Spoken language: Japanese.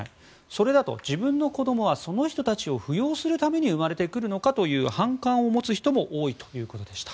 それだと自分の子供はその人たちを扶養するために産まれてくるのかという反感を持つ人も多いということでした。